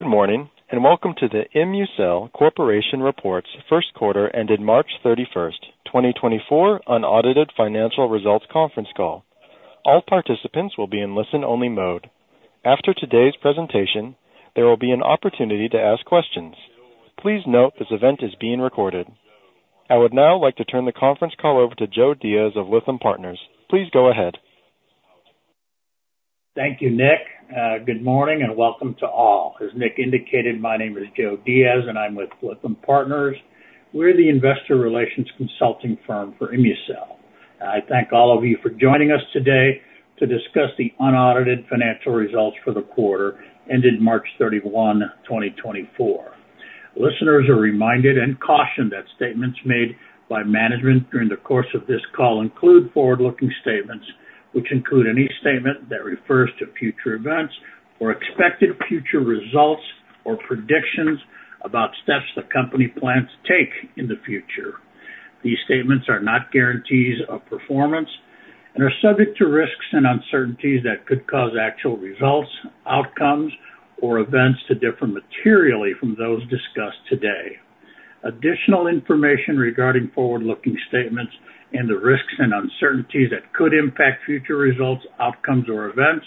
Good morning, and welcome to the ImmuCell Corporation reports first quarter ended March 31, 2024, unaudited financial results conference call. All participants will be in listen-only mode. After today's presentation, there will be an opportunity to ask questions. Please note this event is being recorded. I would now like to turn the conference call over to Joe Diaz of Lytham Partners. Please go ahead. Thank you, Nick. Good morning, and welcome to all. As Nick indicated, my name is Joe Diaz, and I'm with Lytham Partners. We're the investor relations consulting firm for ImmuCell. I thank all of you for joining us today to discuss the unaudited financial results for the quarter ended March 31, 2024. Listeners are reminded and cautioned that statements made by management during the course of this call include forward-looking statements, which include any statement that refers to future events or expected future results, or predictions about steps the company plans to take in the future. These statements are not guarantees of performance and are subject to risks and uncertainties that could cause actual results, outcomes, or events to differ materially from those discussed today. Additional information regarding forward-looking statements and the risks and uncertainties that could impact future results, outcomes, or events,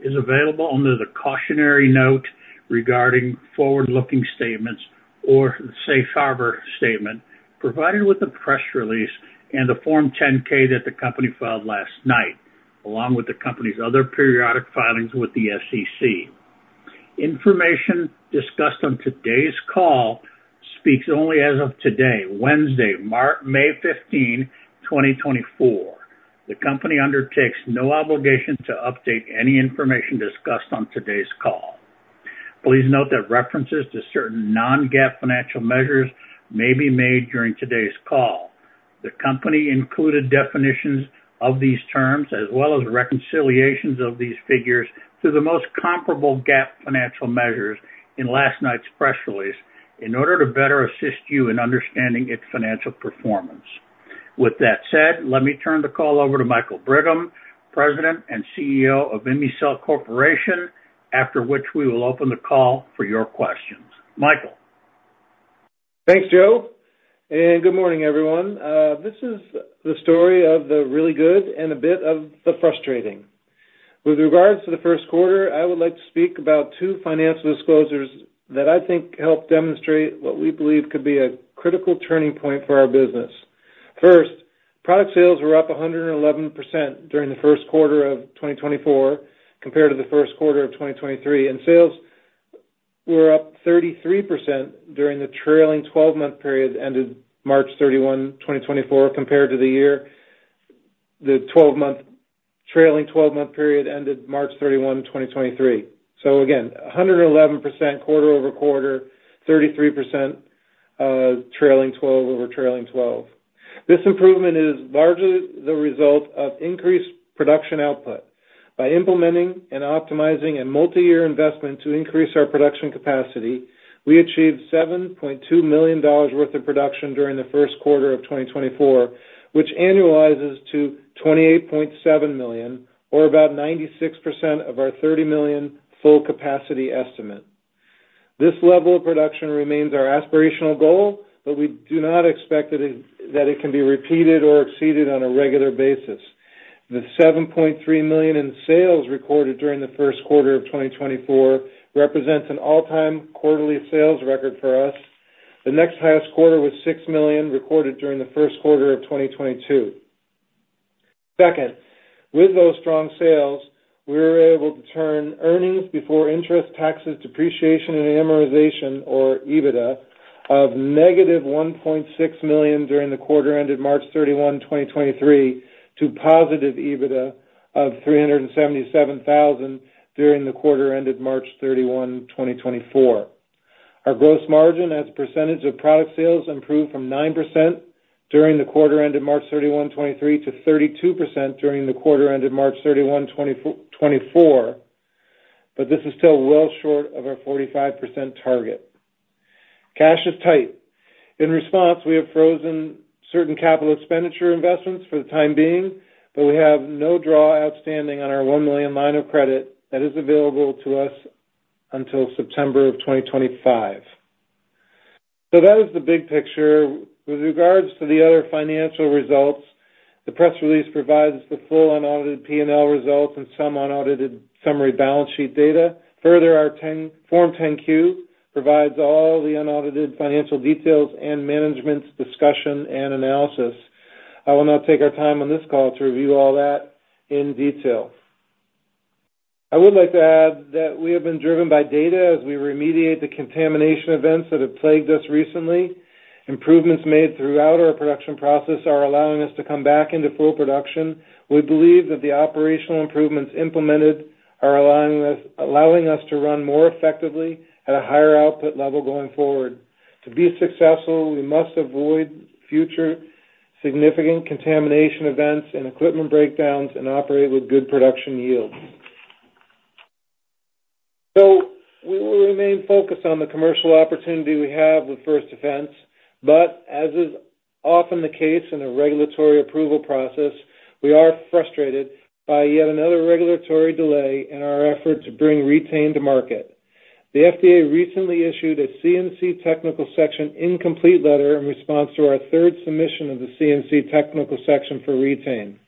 is available under the cautionary note regarding forward-looking statements or safe harbor statement, provided with the press release and the Form 10-K that the company filed last night, along with the company's other periodic filings with the SEC. Information discussed on today's call speaks only as of today, Wednesday, May 15, 2024. The company undertakes no obligation to update any information discussed on today's call. Please note that references to certain non-GAAP financial measures may be made during today's call. The company included definitions of these terms, as well as reconciliations of these figures to the most comparable GAAP financial measures in last night's press release, in order to better assist you in understanding its financial performance. With that said, let me turn the call over to Michael Brigham, President and CEO of ImmuCell Corporation, after which we will open the call for your questions. Michael? Thanks, Joe, and good morning, everyone. This is the story of the really good and a bit of the frustrating. With regards to the first quarter, I would like to speak about two financial disclosures that I think help demonstrate what we believe could be a critical turning point for our business. First, product sales were up 111% during the first quarter of 2024 compared to the first quarter of 2023, and sales were up 33% during the trailing twelve-month period ended March 31, 2024, compared to the trailing twelve-month period ended March 31, 2023. So again, 111% quarter over quarter, 33% trailing twelve over trailing twelve. This improvement is largely the result of increased production output. By implementing and optimizing a multi-year investment to increase our production capacity, we achieved $7.2 million worth of production during the first quarter of 2024, which annualizes to $28.7 million, or about 96% of our $30 million full capacity estimate. This level of production remains our aspirational goal, but we do not expect that it can be repeated or exceeded on a regular basis. The $7.3 million in sales recorded during the first quarter of 2024 represents an all-time quarterly sales record for us. The next highest quarter was $6 million, recorded during the first quarter of 2022. Second, with those strong sales, we were able to turn earnings before interest, taxes, depreciation, and amortization, or EBITDA, of negative $1.6 million during the quarter ended March 31, 2023, to positive EBITDA of $377,000 during the quarter ended March 31, 2024. Our gross margin as a percentage of product sales, improved from 9% during the quarter ended March 31, 2023, to 32% during the quarter ended March 31, 2024, but this is still well short of our 45% target. Cash is tight. In response, we have frozen certain capital expenditure investments for the time being, but we have no draw outstanding on our $1 million line of credit that is available to us until September of 2025. So that is the big picture. With regards to the other financial results, the press release provides the full unaudited P&L results and some unaudited summary balance sheet data. Further, our 10-Q, Form 10-Q provides all the unaudited financial details and management's discussion and analysis. I will not take our time on this call to review all that in detail. I would like to add that we have been driven by data as we remediate the contamination events that have plagued us recently. Improvements made throughout our production process are allowing us to come back into full production. We believe that the operational improvements implemented are allowing us, allowing us to run more effectively at a higher output level going forward. To be successful, we must avoid future significant contamination events and equipment breakdowns, and operate with good production yields. So we will remain focused on the commercial opportunity we have with First Defense, but as is often the case in a regulatory approval process, we are frustrated by yet another regulatory delay in our effort to bring Re-Tain to market. The FDA recently issued a CMC technical section incomplete letter in response to our third submission of the CMC technical section for Re-Tain.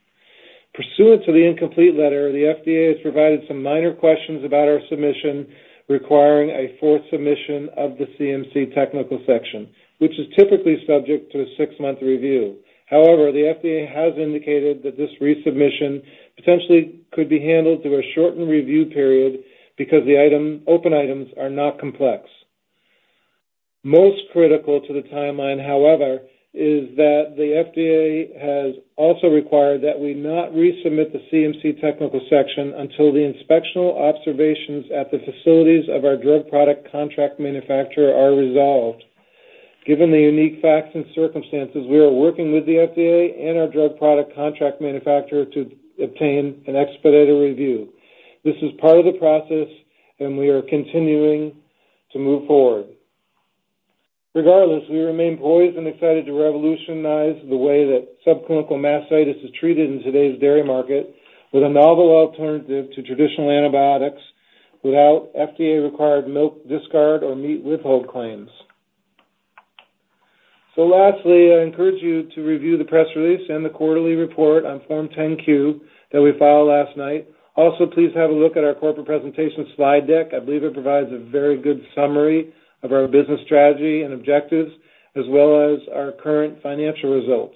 Pursuant to the incomplete letter, the FDA has provided some minor questions about our submission, requiring a fourth submission of the CMC technical section, which is typically subject to a six-month review. However, the FDA has indicated that this resubmission potentially could be handled through a shortened review period because the open items are not complex. Most critical to the timeline, however, is that the FDA has also required that we not resubmit the CMC technical section until the inspectional observations at the facilities of our drug product contract manufacturer are resolved. Given the unique facts and circumstances, we are working with the FDA and our drug product contract manufacturer to obtain an expedited review. This is part of the process, and we are continuing to move forward. Regardless, we remain poised and excited to revolutionize the way that subclinical mastitis is treated in today's dairy market, with a novel alternative to traditional antibiotics, without FDA-required milk discard or meat withhold claims. So lastly, I encourage you to review the press release and the quarterly report on Form 10-Q that we filed last night. Also, please have a look at our corporate presentation slide deck. I believe it provides a very good summary of our business strategy and objectives, as well as our current financial results.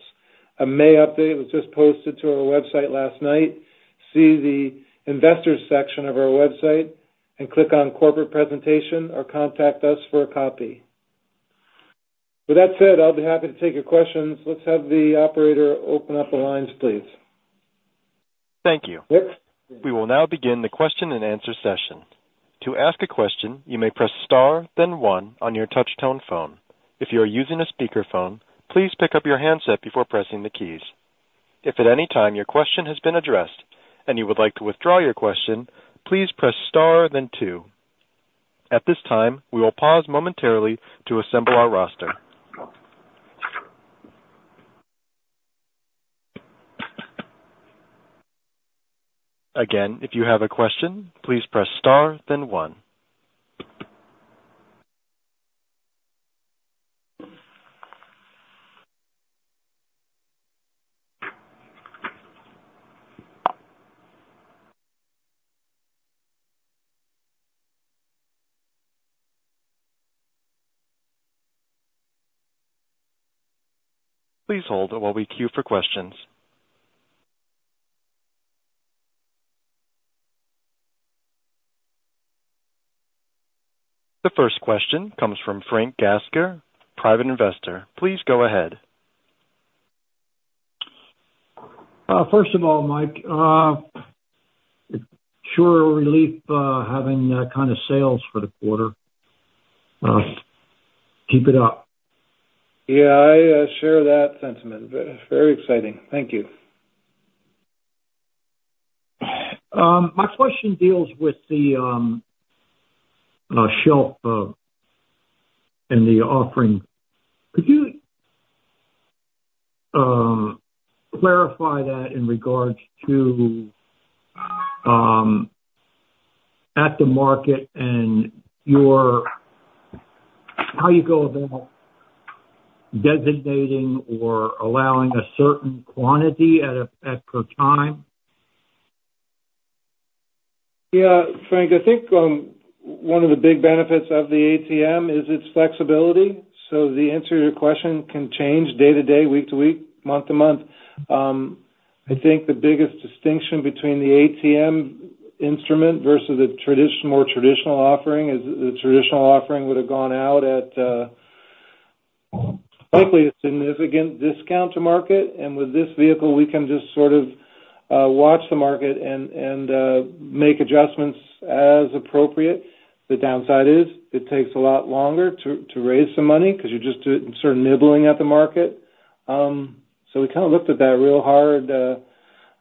A May update was just posted to our website last night. See the investors section of our website and click on Corporate Presentation or contact us for a copy. With that said, I'll be happy to take your questions. Let's have the operator open up the lines, please. Thank you. Next. We will now begin the question-and-answer session. To ask a question, you may press star, then one on your touch tone phone. If you are using a speakerphone, please pick up your handset before pressing the keys. If at any time your question has been addressed and you would like to withdraw your question, please press star then two. At this time, we will pause momentarily to assemble our roster. Again, if you have a question, please press star, then one. Please hold while we queue for questions. The first question comes from Frank Gasker, private investor. Please go ahead. First of all, Mike, it's sure a relief having kind of sales for the quarter. Keep it up. Yeah, I share that sentiment. Very, very exciting. Thank you. My question deals with the shelf and the offering. Could you clarify that in regards to at the market and your-how you go about designating or allowing a certain quantity at a per time? Yeah, Frank, I think one of the big benefits of the ATM is its flexibility. So the answer to your question can change day to day, week to week, month to month. I think the biggest distinction between the ATM instrument versus a more traditional offering is the traditional offering would have gone out at hopefully a significant discount to market. And with this vehicle, we can just sort of watch the market and make adjustments as appropriate. The downside is it takes a lot longer to raise some money because you're just sort of nibbling at the market. So we kind of looked at that real hard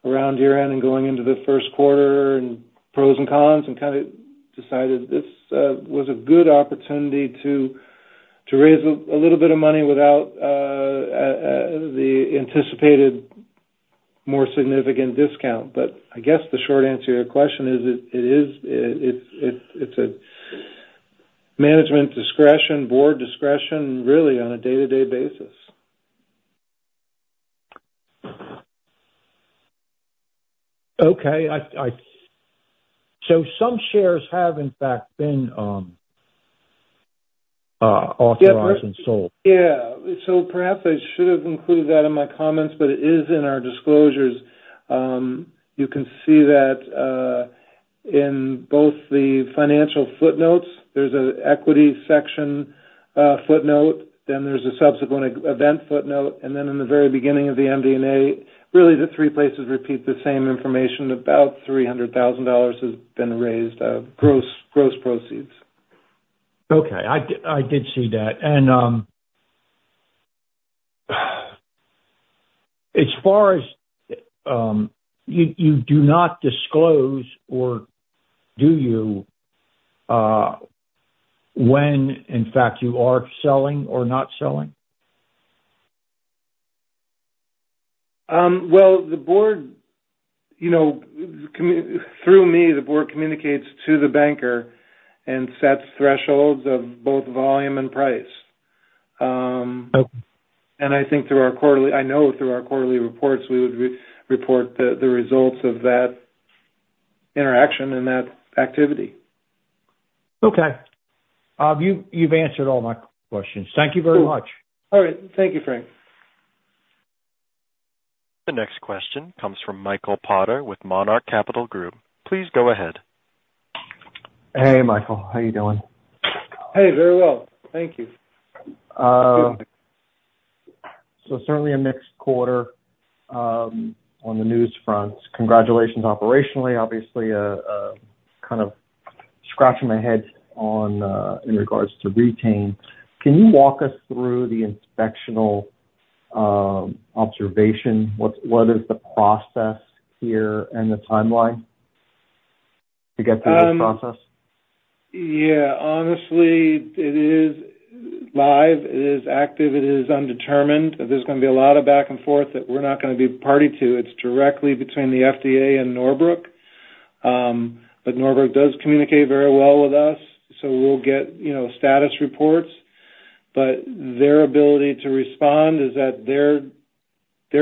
around year-end and going into the first quarter, and pros and cons, and kind of decided this was a good opportunity to raise a little bit of money without the anticipated more significant discount. But I guess the short answer to your question is, it is, it's a management discretion, board discretion, really on a day-to-day basis. Okay. So some shares have in fact been authorized and sold? Yeah. So perhaps I should have included that in my comments, but it is in our disclosures. You can see that in both the financial footnotes, there's an equity section footnote, then there's a subsequent event footnote, and then in the very beginning of the MD&A. Really, the three places repeat the same information. About $300,000 has been raised, gross, gross proceeds. Okay, I did see that. As far as you do not disclose, or do you, when in fact you are selling or not selling? Well, the board, you know, through me, the board communicates to the banker and sets thresholds of both volume and price. Okay. I think I know through our quarterly reports, we would re-report the results of that interaction and that activity. Okay. You've, you've answered all my questions. Thank you very much. All right. Thank you, Frank. The next question comes from Michael Potter with Monarch Capital Group. Please go ahead. Hey, Michael. How are you doing? Hey, very well. Thank you. So certainly a mixed quarter, on the newsfront. Congratulations operationally, obviously, kind of scratching my head on, in regards to Re-Tain. Can you walk us through the inspectional observation? What is the process here and the timeline to get through this process? Yeah, honestly, it is live, it is active, it is undetermined. There's gonna be a lot of back and forth that we're not gonna be party to. It's directly between the FDA and Norbrook. But Norbrook does communicate very well with us, so we'll get, you know, status reports. But their ability to respond is at their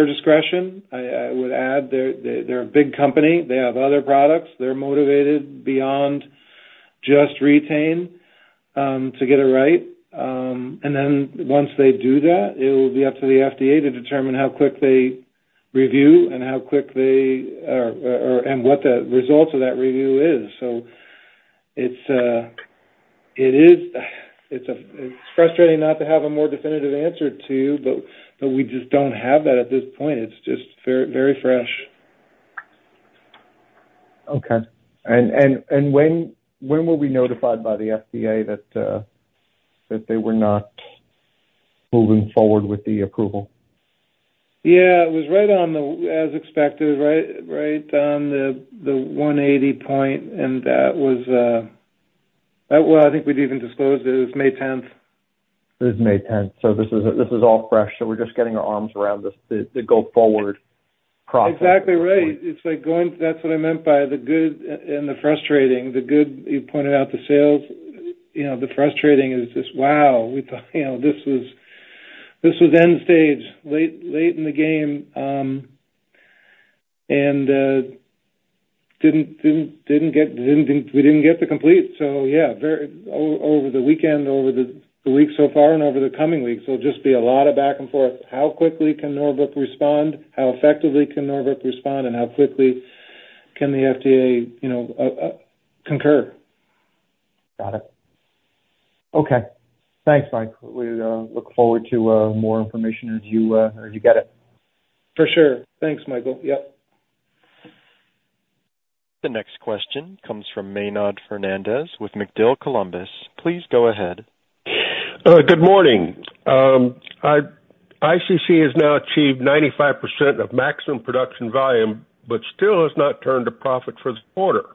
discretion. I would add, they're a big company. They have other products. They're motivated beyond just Re-Tain to get it right. And then once they do that, it will be up to the FDA to determine how quick they review and how quick they, and what the results of that review is. So it's frustrating not to have a more definitive answer, but we just don't have that at this point. It's just very, very fresh. Okay. And when were we notified by the FDA that they were not moving forward with the approval? Yeah, it was right on the, as expected, right, right on the 180 point, and that was well, I think we'd even disclosed it. It was May tenth. It was May tenth. This is all fresh, so we're just getting our arms around this, the go forward process. Exactly right. It's like going. That's what I meant by the good and the frustrating. The good, you pointed out the sales. You know, the frustrating is just, wow, we thought, you know, this was end stage, late, late in the game, and we didn't get to complete. So yeah, over the weekend, over the week so far and over the coming weeks, there'll just be a lot of back and forth. How quickly can Norbrook respond? How effectively can Norbrook respond, and how quickly can the FDA concur? Got it. Okay. Thanks, Mike. We look forward to more information as you get it. For sure. Thanks, Michael. Yep. The next question comes from Maynard Fernandez with MacDill Columbus. Please go ahead. Good morning. ICC has now achieved 95% of maximum production volume, but still has not turned a profit for the quarter.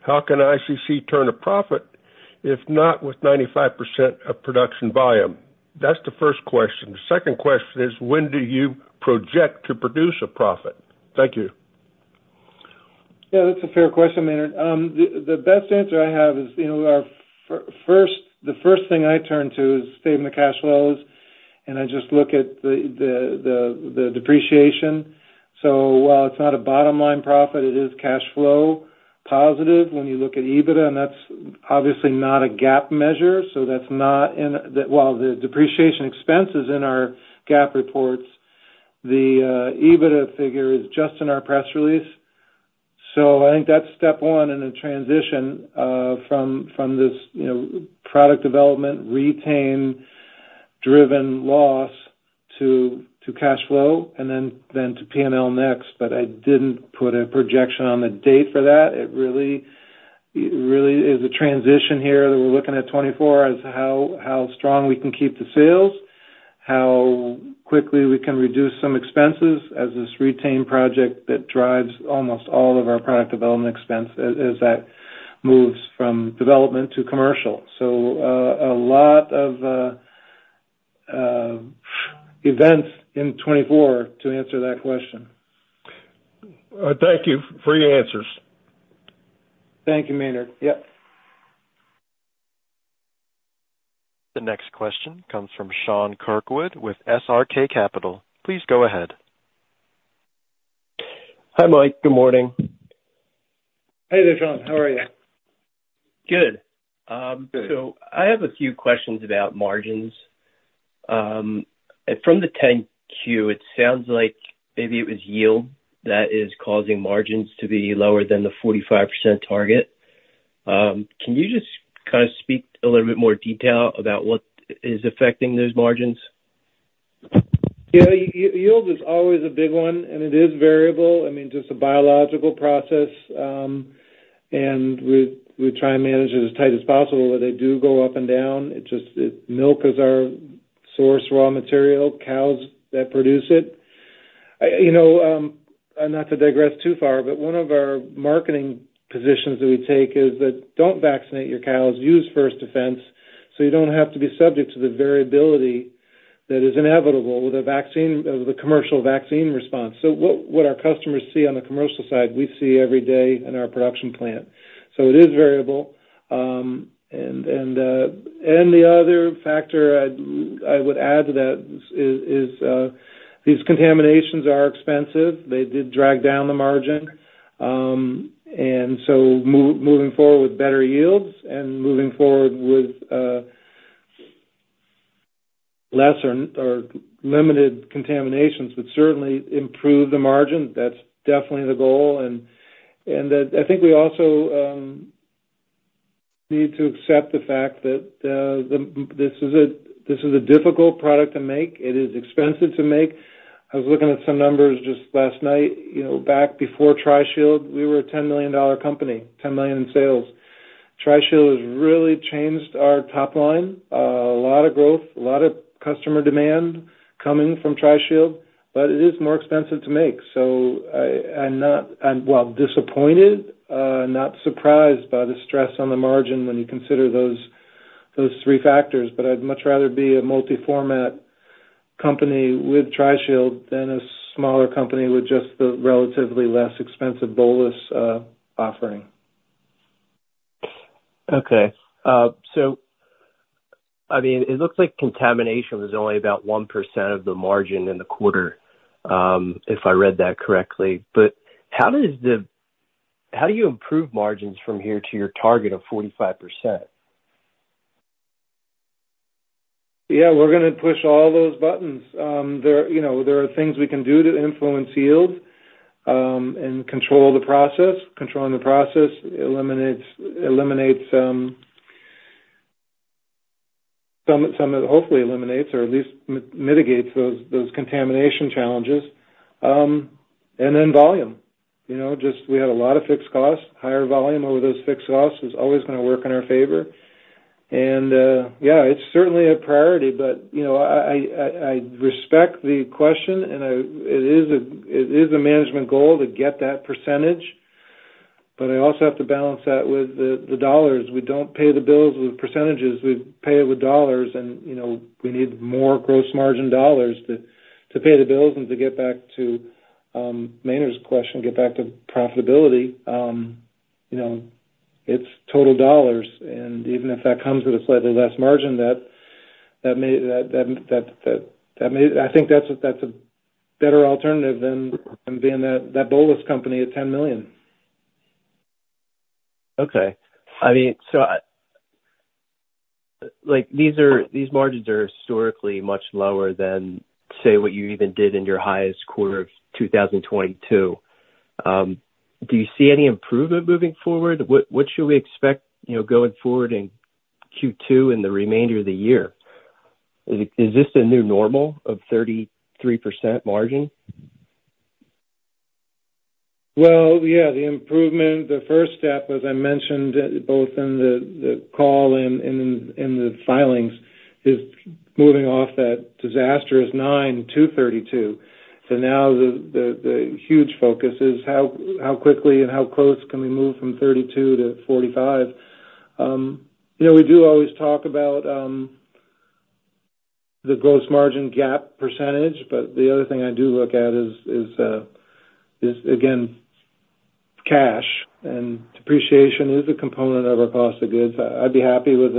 How can ICC turn a profit, if not with 95% of production volume? That's the first question. The second question is, when do you project to produce a profit? Thank you. Yeah, that's a fair question, Maynard. The best answer I have is, you know, our first, the first thing I turn to is statement of cash flows, and I just look at the depreciation. So while it's not a bottom-line profit, it is cash flow positive when you look at EBITDA, and that's obviously not a GAAP measure, so that's not in the... While the depreciation expense is in our GAAP reports, the EBITDA figure is just in our press release. So I think that's step one in a transition from this, you know, product development, Re-Tain driven loss to cash flow and then to PNL next. But I didn't put a projection on the date for that. It really, it really is a transition here, that we're looking at 2024 as to how, how strong we can keep the sales, how quickly we can reduce some expenses as this Re-Tain project that drives almost all of our product development expense, as that moves from development to commercial. So, a lot of events in 2024 to answer that question. Thank you for your answers. Thank you, Maynard. Yep. The next question comes from Sean Kirkwood with SRK Capital. Please go ahead. Hi, Mike. Good morning. Hey there, Sean. How are you? Good. Good. So I have a few questions about margins. From the 10-Q, it sounds like maybe it was yield that is causing margins to be lower than the 45% target. Can you just kind of speak a little bit more detail about what is affecting those margins? Yeah, yield is always a big one, and it is variable. I mean, just a biological process. We try and manage it as tight as possible, but they do go up and down. It just milk is our source, raw material, cows that produce it. You know, not to digress too far, but one of our marketing positions that we take is that don't vaccinate your cows, use First Defense, so you don't have to be subject to the variability that is inevitable with a vaccine, of the commercial vaccine response. So what our customers see on the commercial side, we see every day in our production plant. So it is variable. The other factor I would add to that is these contaminations are expensive. They did drag down the margin. Moving forward with better yields and moving forward with lesser or limited contaminations would certainly improve the margin. That's definitely the goal. I think we also need to accept the fact that this is a difficult product to make. It is expensive to make. I was looking at some numbers just last night, you know, back before Tri-Shield, we were a 10-million-dollar company, $10 million in sales. Tri-Shield has really changed our top line. A lot of growth, a lot of customer demand coming from Tri-Shield, but it is more expensive to make. I'm not... I'm well disappointed, not surprised by the stress on the margin when you consider those three factors, but I'd much rather be a multi-format company with Tri-Shield than a smaller company with just the relatively less expensive bolus offering. Okay. So, I mean, it looks like contamination was only about 1% of the margin in the quarter, if I read that correctly. But how do you improve margins from here to your target of 45%? Yeah, we're gonna push all those buttons. You know, there are things we can do to influence yield and control the process. Controlling the process eliminates some. It hopefully eliminates or at least mitigates those contamination challenges. And then volume, you know, just we have a lot of fixed costs. Higher volume over those fixed costs is always gonna work in our favor. And yeah, it's certainly a priority, but you know, I respect the question, and it is a management goal to get that percentage, but I also have to balance that with the dollars. We don't pay the bills with percentages, we pay it with dollars, and, you know, we need more gross margin dollars to pay the bills and to get back to Maynard's question, get back to profitability. You know, it's total dollars, and even if that comes with a slightly less margin, that may, I think that's a better alternative than being that bolus company at $10 million. Okay. I mean, so, like, these margins are historically much lower than, say, what you even did in your highest quarter of 2022. Do you see any improvement moving forward? What, what should we expect, you know, going forward in Q2 and the remainder of the year? Is, is this the new normal of 33% margin? Well, yeah, the improvement, the first step, as I mentioned, both in the call and in the filings, is moving off that disastrous 9%-32%. So now the huge focus is how quickly and how close can we move from 32%-45%? You know, we do always talk about the gross margin gap percentage, but the other thing I do look at is again, cash and depreciation is a component of our cost of goods. I'd be happy with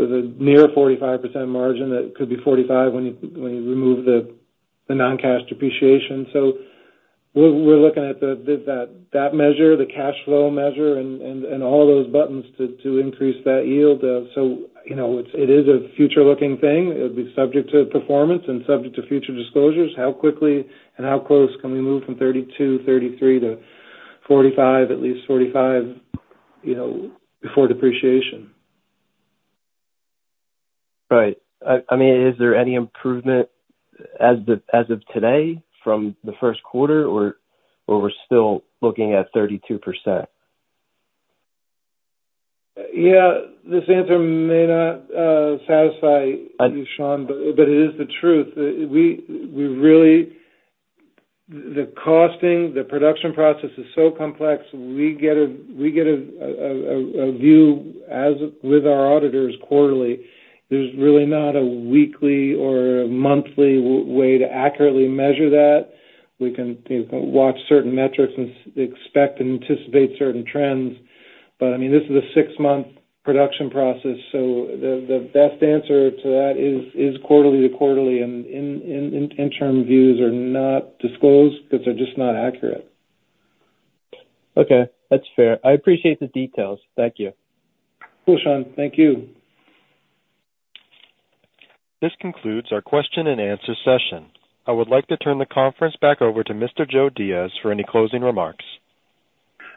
a near 45% margin. That could be 45% when you remove the non-cash depreciation. So we're looking at that measure, the cash flow measure, and all those buttons to increase that yield. So, you know, it's a future-looking thing. It'll be subject to performance and subject to future disclosures. How quickly and how close can we move from 32-33 to 45, at least 45, you know, before depreciation? Right. I mean, is there any improvement as of, as of today from the first quarter or, or we're still looking at 32%? Yeah. This answer may not satisfy you, Sean, but it is the truth. We really... The costing, the production process is so complex. We get an overview with our auditors quarterly. There's really not a weekly or monthly way to accurately measure that. We can watch certain metrics and expect and anticipate certain trends, but I mean, this is a six-month production process, so the best answer to that is quarterly to quarterly, and interim views are not disclosed because they're just not accurate. Okay, that's fair. I appreciate the details. Thank you. Cool, Sean. Thank you. This concludes our question and answer session. I would like to turn the conference back over to Mr. Joe Diaz for any closing remarks.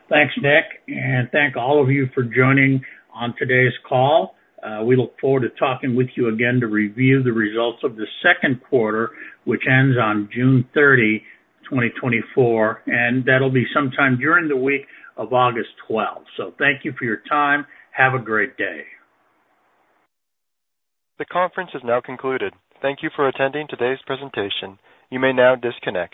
Thanks, Nick, and thank all of you for joining on today's call. We look forward to talking with you again to review the results of the second quarter, which ends on June 30, 2024, and that'll be sometime during the week of August 12. So thank you for your time. Have a great day. The conference is now concluded. Thank you for attending today's presentation. You may now disconnect.